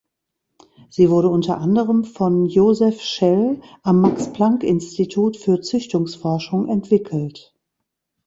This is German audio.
Sie wurde unter anderem von Jozef Schell am Max-Planck-Institut für Züchtungsforschung entwickelt.